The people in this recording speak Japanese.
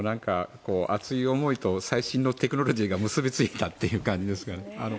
熱い思いと最新のテクノロジーが結びついたという感じですね。